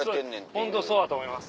ホントそうだと思います。